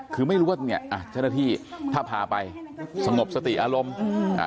คือไม่รู้ว่าเจ้าหน้าที่ถ้าพาไปสงบสติอารมณ์